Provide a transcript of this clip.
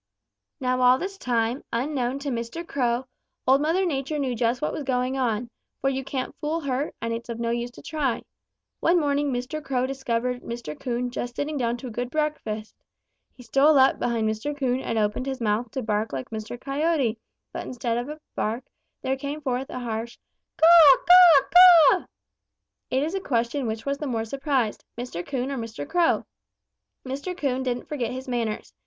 "Now all this time, unknown to old Mr. Crow, Old Mother Nature knew just what was going on, for you can't fool her, and it's of no use to try. One morning Mr. Crow discovered Mr. Coon just sitting down to a good breakfast. He stole up behind Mr. Coon and opened his mouth to bark like Mr. Coyote, but instead of a bark, there came forth a harsh 'Caw, caw, caw.' It is a question which was the more surprised, Mr. Coon or Mr. Crow. Mr. Coon didn't forget his manners.